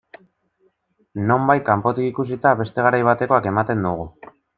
Nonbait, kanpotik ikusita, beste garai batekoak ematen dugu.